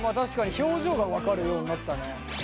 表情が分かるようになったね。